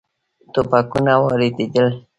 ټوپکونه واردېدل.